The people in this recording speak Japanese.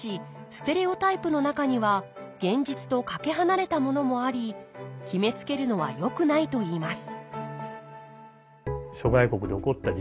ステレオタイプの中には現実とかけ離れたものもあり決めつけるのはよくないといいます